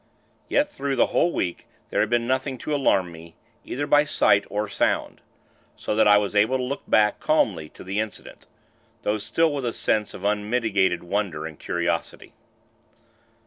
Yet, through the whole week, there had been nothing to alarm me, either by sight or sound; so that I was able to look back, calmly, to the incident; though still with a sense of unmitigated wonder and curiosity.